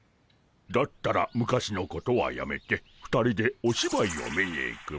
だったら昔のことはやめて２人でおしばいを見に行くモ。